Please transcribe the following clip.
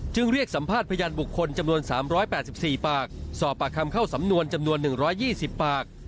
เรียกสัมภาษณ์พยานบุคคลจำนวน๓๘๔ปากสอบปากคำเข้าสำนวนจำนวน๑๒๐ปาก